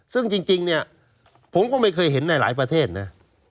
ซึ่งจริงเนี่ยผมก็ไม่เคยเห็นในหลายประเทศนะ